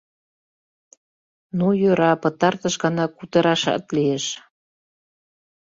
Ну, йӧра, пытартыш гана кутырашат лиеш.